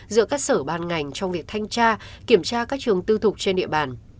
giữa các sở ban ngành trong việc thanh tra kiểm tra các trường tư thục trên địa bàn